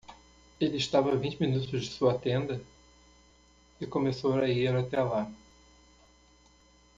Ele estava a vinte minutos de sua tenda? e começou a ir até lá.